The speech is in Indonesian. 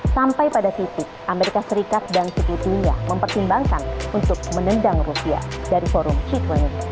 sampai pada titik amerika serikat dan sekitar dunia mempertimbangkan untuk menendang rusia dari forum g dua puluh